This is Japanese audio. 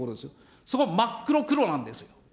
そこを真っ黒黒なんですよ。